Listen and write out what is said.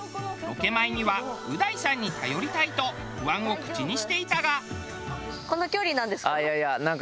ロケ前には「う大さんに頼りたい」と不安を口にしていたが。